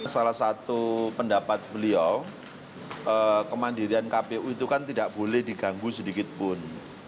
salah satu pendapat beliau kemandirian kpu itu kan tidak boleh diganggu sedikitpun